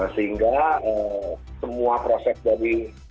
sehingga semua proses dari